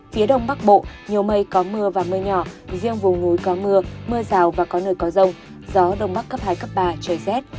phía đông bắc bộ nhiều mây có mưa và mưa nhỏ riêng vùng núi có mưa mưa rào và có nơi có rông gió đông bắc cấp hai cấp ba trời rét